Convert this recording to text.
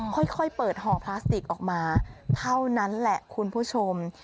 ค่อยเปิดห่อพลาสติกออกมาเท่านั้นแหละคุณผู้ชม